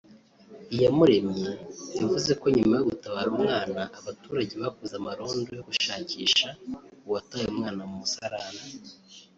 Iyamuremye yavuze ko nyuma yo gutabara umwana abaturage bakoze amarondo yo gushakisha uwataye umwana mu musarane